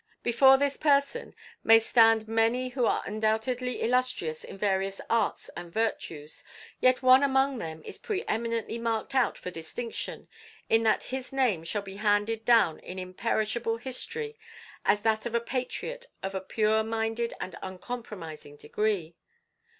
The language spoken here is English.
Before this person stand many who are undoubtedly illustrious in various arts and virtues, yet one among them is pre eminently marked out for distinction in that his name shall be handed down in imperishable history as that of a patriot of a pure minded and uncompromising degree.